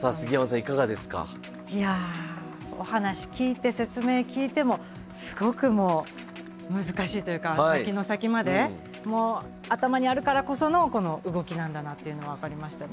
いやお話聞いて説明聞いてもすごくもう難しいというか先の先までも頭にあるからこそのこの動きなんだなっていうのは分かりましたね。